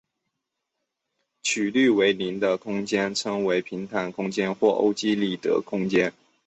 曲率为零的空间称为平坦空间或欧几里得空间。